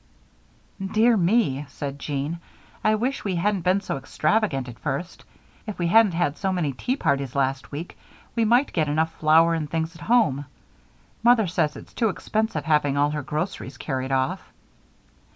"Dear me," said Jean, "I wish we hadn't been so extravagant at first. If we hadn't had so many tea parties last week, we might get enough flour and things at home. Mother says it's too expensive having all her groceries carried off."